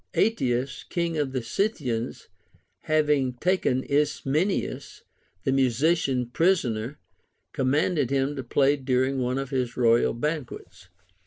Ateas, king of the Scythians, having taken Ismenias the musician prisoner, commanded him to play during one of his royal banquets.